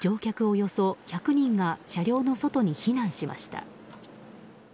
およそ１００人が車両の外に避難しました。